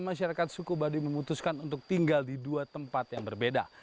masyarakat suku baduy memutuskan untuk tinggal di dua tempat yang berbeda